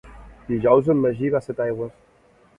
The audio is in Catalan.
Dijous en Magí va a Setaigües.